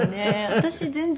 私全然。